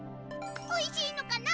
おいしいのかな？